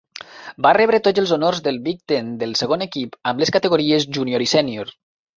Va rebre tots els honors del Big Ten del segon equip amb les categories júnior i sènior.